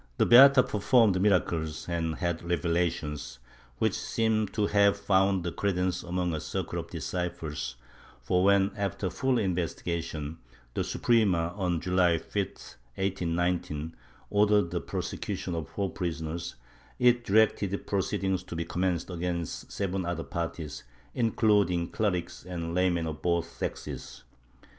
The beata performed miracles and had revelations, which seem to have found credence among a circle of disciples for when, after full investigation, the Suprema, on July 5, 1819, ordered the prosecution of the four prisoners, it directed proceed ings to be commenced against seven other parties, including clerics and laymen of both sexes.